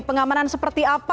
pengamanan seperti apa